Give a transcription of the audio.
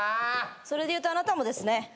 それでいうとあなたもですね。